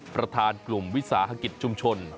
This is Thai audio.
ประธานกลุ่มวิทยาศาสตร์ฯภิเษฐชุมชน